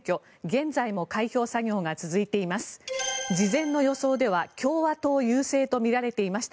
現在も開票作業が続いています。